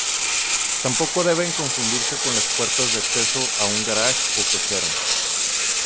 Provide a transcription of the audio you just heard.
Tampoco deben confundirse con las puertas de acceso a un garaje o cochera.